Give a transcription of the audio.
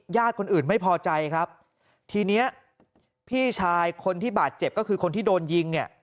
คนอื่นไม่พอใจครับทีเนี้ยพี่ชายคนที่บาดเจ็บก็คือคนที่โดนยิงเนี่ย